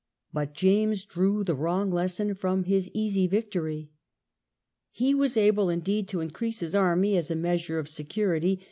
But James drew the wrong lesson from his easy victory. He was able indeed to increase his army as a measure of security.